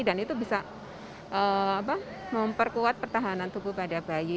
dan itu bisa memperkuat pertahanan tubuh pada bayi